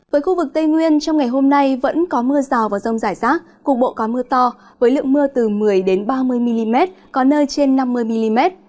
với khu vực tây nguyên trong ngày hôm nay vẫn có mưa rào và rông rải rác cục bộ có mưa to với lượng mưa từ một mươi ba mươi mm có nơi trên năm mươi mm